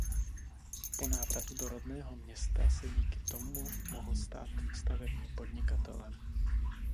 Po návratu do rodného města se díky tomu mohl stát stavebním podnikatelem.